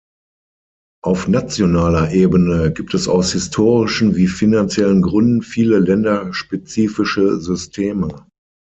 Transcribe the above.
Auf nationaler Ebene gibt es aus historischen wie finanziellen Gründen viele länderspezifische Systeme.